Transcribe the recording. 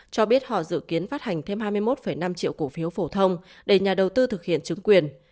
cho biết họ dự kiến phát hành thêm hai mươi một năm triệu cổ phiếu phổ thông để nhà đầu tư thực hiện chứng quyền